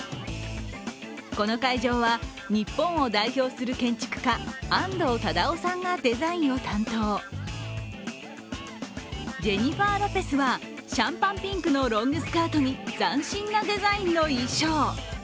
この会場は日本を代表する建築家安藤忠雄さんがデザインを担当ジェニファー・ロペスはシャンパンピンクのロングスカートに斬新なデザインの衣装。